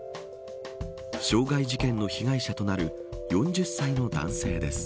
傷害事件の被害者となる４０歳の男性です。